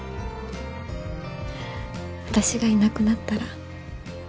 私がいなくなったら。